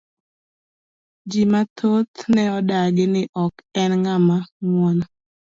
Ji mathoth ne odagi ni ok en ng'ama nguon.